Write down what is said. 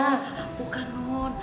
b bukan non